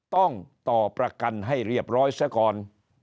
ต้องต่อประกันให้เรียบร้อยซะก่อน